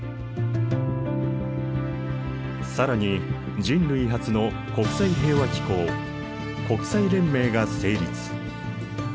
更に人類初の国際平和機構国際連盟が成立。